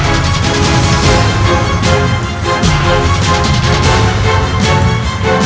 aku akan mencari kujang gempar itu